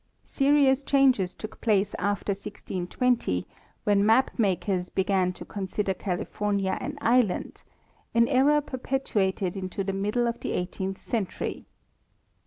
Serious changes took place after 1620, when map makers began to consider California an island, an error perpetuated to the middle of the eighteenth century.